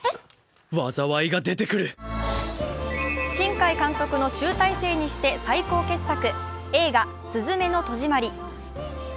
新海監督の集大成にして最高傑作、映画「すずめの戸締まり」。